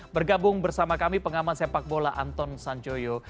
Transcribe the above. bergabung bersama kami pengaman sepak bola anton sancoyo